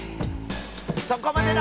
そこまでだ！